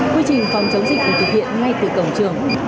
quy trình phòng chống dịch được thực hiện ngay từ cổng trường